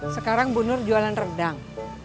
sekarang bunur jualan redang